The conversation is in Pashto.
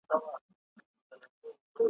مینه مو زړه ده پیوند سوې له ازله `